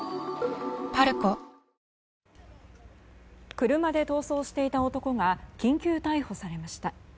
車で逃走していた男が緊急逮捕されました。